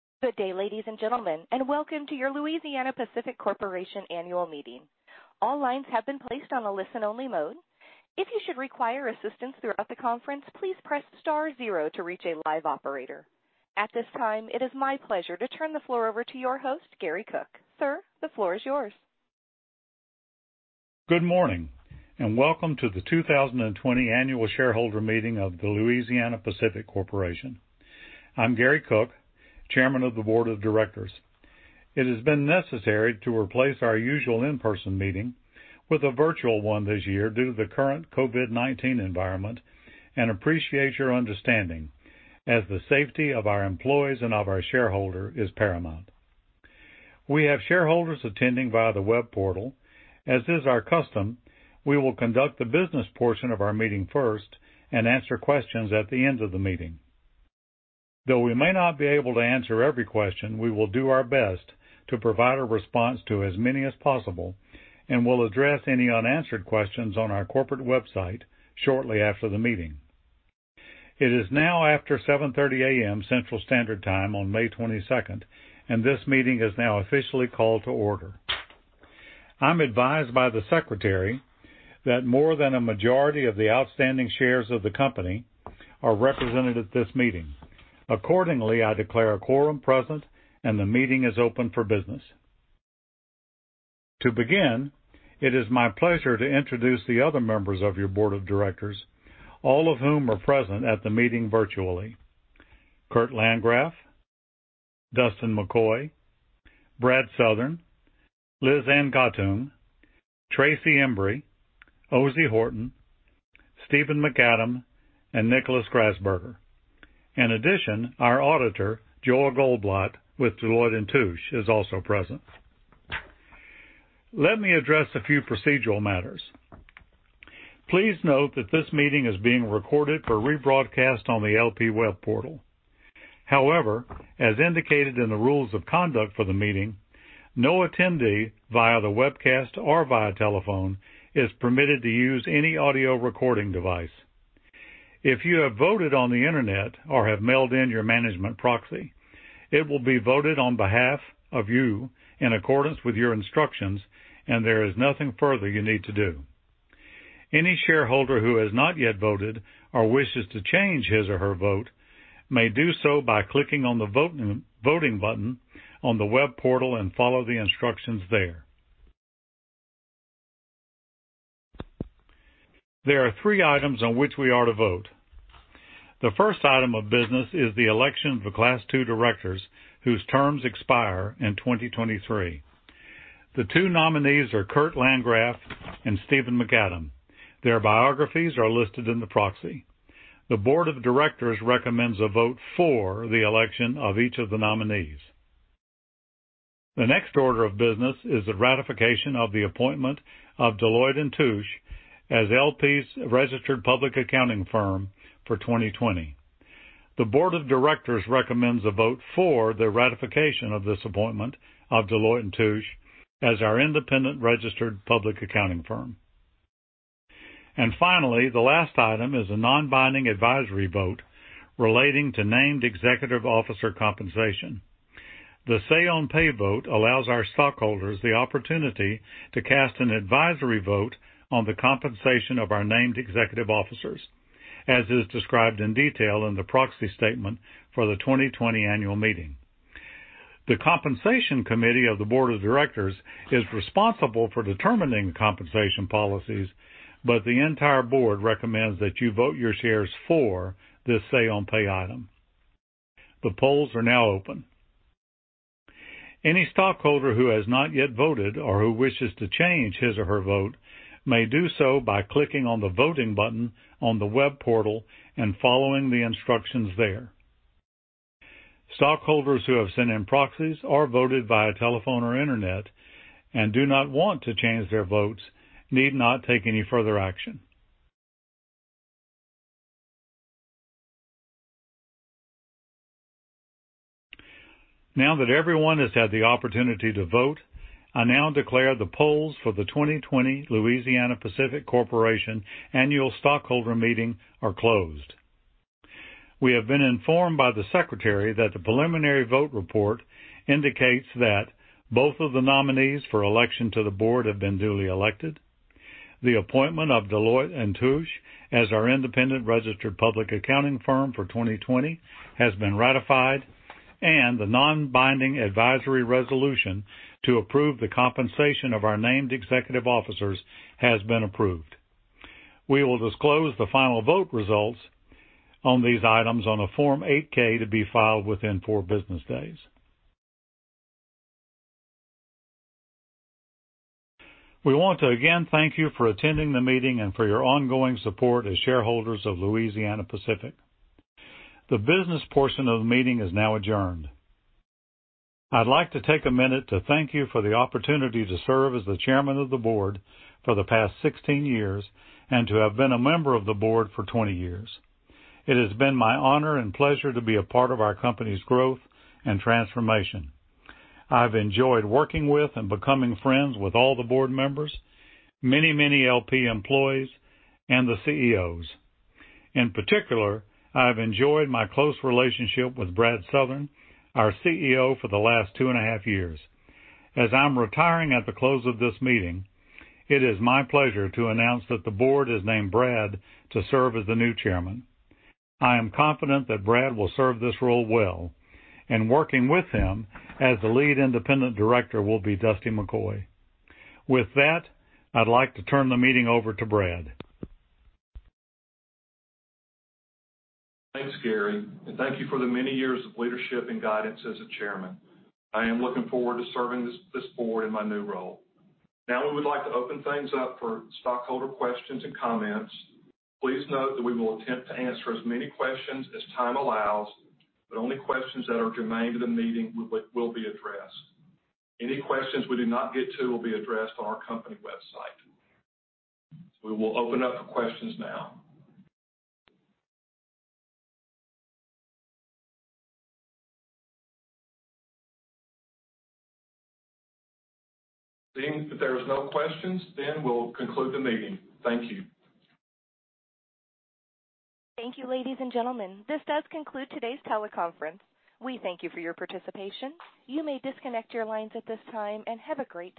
Good day, ladies and gentlemen, and welcome to your Louisiana-Pacific Corporation Annual Meeting. All lines have been placed on a listen-only mode. If you should require assistance throughout the conference, please press star zero to reach a live operator. At this time, it is my pleasure to turn the floor over to your host, Gary Cook. Sir, the floor is yours. Good morning, and welcome to the 2020 Annual Shareholder Meeting of the Louisiana-Pacific Corporation. I'm Gary Cook, Chairman of the Board of Directors. It has been necessary to replace our usual in-person meeting with a virtual one this year due to the current COVID-19 environment, and I appreciate your understanding, as the safety of our employees and of our shareholders is paramount. We have shareholders attending via the web portal. As is our custom, we will conduct the business portion of our meeting first and answer questions at the end of the meeting. Though we may not be able to answer every question, we will do our best to provide a response to as many as possible, and we'll address any unanswered questions on our corporate website shortly after the meeting. It is now after 7:30 A.M. Central Standard Time on 22nd of May, and this meeting is now officially called to order. I'm advised by the secretary that more than a majority of the outstanding shares of the company are represented at this meeting. Accordingly, I declare a quorum present, and the meeting is open for business. To begin, it is my pleasure to introduce the other members of your board of directors, all of whom are present at the meeting virtually. Kurt Landgraf, Dustan McCoy, Brad Southern, Lizanne Gottung, Tracy Embree, Ozey Horton, Stephen Macadam, and Nicholas Grasberger. In addition, our auditor, Joel Goldblatt, with Deloitte & Touche, is also present. Let me address a few procedural matters. Please note that this meeting is being recorded for rebroadcast on the LP web portal. However, as indicated in the rules of conduct for the meeting, no attendee, via the webcast or via telephone, is permitted to use any audio recording device. If you have voted on the Internet or have mailed in your management proxy, it will be voted on behalf of you in accordance with your instructions, and there is nothing further you need to do. Any shareholder who has not yet voted or wishes to change his or her vote may do so by clicking on the voting, voting button on the web portal and follow the instructions there. There are three items on which we are to vote. The first item of business is the election for Class II directors, whose terms expire in 2023. The two nominees are Kurt Landgraf and Stephen Macadam. Their biographies are listed in the proxy. The board of directors recommends a vote for the election of each of the nominees. The next order of business is the ratification of the appointment of Deloitte & Touche as LP's registered public accounting firm for 2020. The board of directors recommends a vote for the ratification of this appointment of Deloitte & Touche as our independent registered public accounting firm. Finally, the last item is a non-binding advisory vote relating to named executive officer compensation. The Say-on-Pay vote allows our stockholders the opportunity to cast an advisory vote on the compensation of our named executive officers, as is described in detail in the proxy statement for the 2020 annual meeting. The Compensation Committee of the Board of Directors is responsible for determining the compensation policies, but the entire board recommends that you vote your shares for this Say-on-Pay item. The polls are now open. Any stockholder who has not yet voted or who wishes to change his or her vote may do so by clicking on the voting button on the web portal and following the instructions there. Stockholders who have sent in proxies or voted via telephone or Internet and do not want to change their votes need not take any further action. Now that everyone has had the opportunity to vote, I now declare the polls for the 2020 Louisiana-Pacific Corporation Annual Stockholder Meeting are closed. We have been informed by the secretary that the preliminary vote report indicates that both of the nominees for election to the board have been duly elected, the appointment of Deloitte & Touche as our independent registered public accounting firm for 2020 has been ratified, and the non-binding advisory resolution to approve the compensation of our named executive officers has been approved. We will disclose the final vote results on these items on a Form 8-K to be filed within 4 business days. We want to again thank you for attending the meeting and for your ongoing support as shareholders of Louisiana-Pacific. The business portion of the meeting is now adjourned. I'd like to take a minute to thank you for the opportunity to serve as the chairman of the board for the past 16 years and to have been a member of the board for 20 years. It has been my honor and pleasure to be a part of our company's growth and transformation. I've enjoyed working with and becoming friends with all the board members, many, many LP employees, and the CEOs. In particular, I've enjoyed my close relationship with Brad Southern, our CEO for the last 2.5 years. As I'm retiring at the close of this meeting, it is my pleasure to announce that the board has named Brad to serve as the new chairman. I am confident that Brad will serve this role well, and working with him as the lead independent director will be Dusty McCoy. With that, I'd like to turn the meeting over to Brad. Thanks, Gary, and thank you for the many years of leadership and guidance as the chairman. I am looking forward to serving this board in my new role. Now, we would like to open things up for stockholder questions and comments. Please note that we will attempt to answer as many questions as time allows, but only questions that are germane to the meeting will be addressed. Any questions we do not get to will be addressed on our company website. So we will open up for questions now. Seeing that there is no questions, then we'll conclude the meeting. Thank you. Thank you, ladies and gentlemen. This does conclude today's teleconference. We thank you for your participation. You may disconnect your lines at this time, and have a great day.